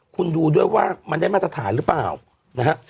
คุณดูด้วยว่ามันได้มาตรฐานหรือเปล่านะฮะ